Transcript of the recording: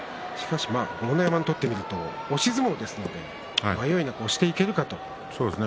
豪ノ山にとってみると押し相撲ですので押していけるかというところですね。